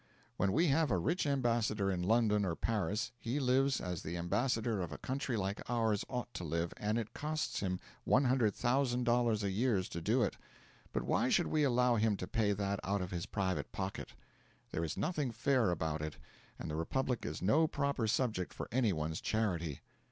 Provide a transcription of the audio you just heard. When we have a rich ambassador in London or Paris, he lives as the ambassador of a country like ours ought to live, and it costs him $100,000 a year to do it. But why should we allow him to pay that out of his private pocket? There is nothing fair about it; and the Republic is no proper subject for any one's charity.